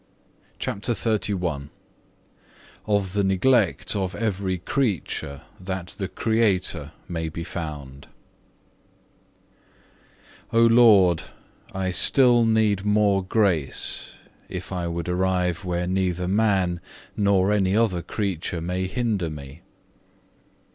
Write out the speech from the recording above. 9. CHAPTER XXXI Of the neglect of every creature, that the Creator may be found O Lord, I still need more grace, if I would arrive where neither man nor any other creature may hinder me.